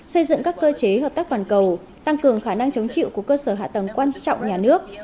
xây dựng các cơ chế hợp tác toàn cầu tăng cường khả năng chống chịu của cơ sở hạ tầng quan trọng nhà nước